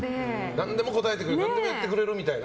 何でも応えてくれる何でもやってくれるみたいな。